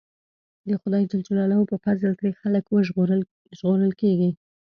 د خدای ج په فضل ترې خلک ژغورل کېږي.